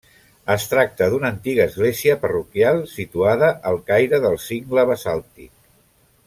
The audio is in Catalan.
Es tracta d'una antiga església parroquial situada al caire del cingle basàltic.